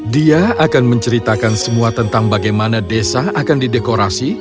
dia akan menceritakan semua tentang bagaimana desa akan didekorasi